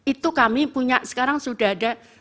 itu kami punya sekarang sudah ada